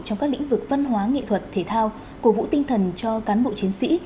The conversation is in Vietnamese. trong các lĩnh vực văn hóa nghệ thuật thể thao cổ vũ tinh thần cho cán bộ chiến sĩ